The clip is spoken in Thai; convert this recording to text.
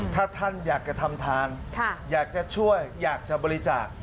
ถ้าท่านอยากจะทำทานอยากจะช่วยอยากจะบริจาค